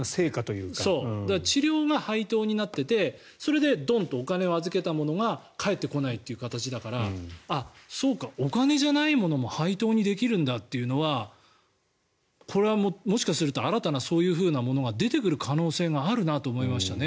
治療が配当になっていてそれでどんとお金を預けたものが返ってこないという形だからそうか、お金じゃないものも配当にできるんだというのはこれはもしかすると新たなそういうものが出てくる可能性があるなと思いましたね。